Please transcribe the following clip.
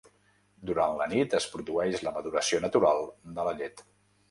Durant la nit es produeix la maduració natural de la llet.